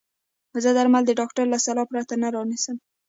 زه درمل د ډاکټر له سلا پرته نه رانيسم.